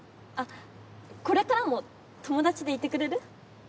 あっこれからも友達でいてくれる？